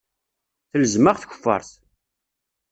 Telzem-aɣ tkeffart.